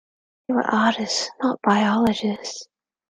They were artists, not biologists.